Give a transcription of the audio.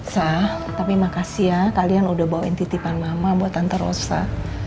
sah tapi makasih ya kalian udah bawain titipan mama buat antar rosa